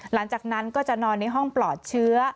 หลังจากนั้นก็จะนอนในห้องปลอดเชื้อ